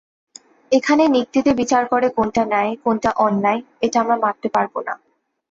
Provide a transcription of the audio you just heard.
এখানে নিক্তিতে বিচার করে কোনটা ন্যায়, কোনটা অন্যায়-এটা আমরা মাপতে পারব না।